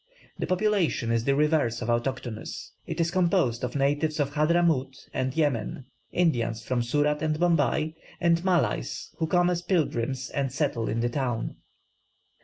The population is the reverse of autochthonous; it is composed of natives of Hadramaut and Yemen, Indians from Surat and Bombay, and Malays who come as pilgrims and settle in the town.